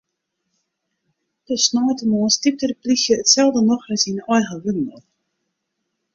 De sneintemoarns typte de plysje itselde nochris yn eigen wurden op.